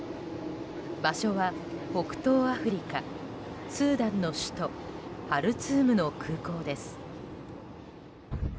場所は北東アフリカスーダンの首都ハルツームの空港です。